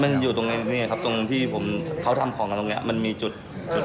ก๊อมอยู่ตรงนี้ครับมีดมันที่ทำของได้ใกล้